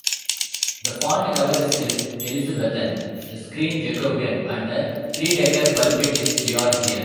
The font-cover is Elizabethan, the screen Jacobean and the three-decker pulpit is Georgian.